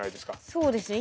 そうですね。